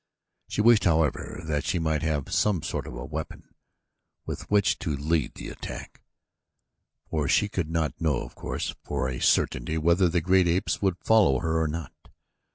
She wished, however, that she might have some sort of a weapon with which to lead the attack, for she could not know, of course, for a certainty whether the great apes would follow her or not.